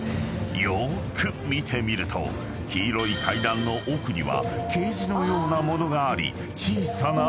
［よーく見てみると黄色い階段の奥にはケージのような物があり小さな窓も］